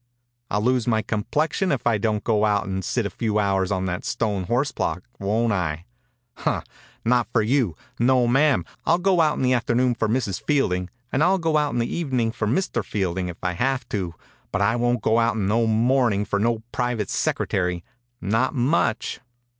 I'll lose my com plexion if I don't go out and sit a few hours on that stone horse block, won't I? Huh! Not for youl No, mam, I'll out in the afternoon for Mrs. Fielding, and I '11 out in the eve 83 THE INCUBATOR BABY ning for Mr. Fielding, if I have to, but I won't out in no morn ing for no private secretary. Not much?'